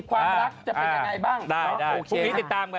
มีความรักจะเป็นยังไงบ้าง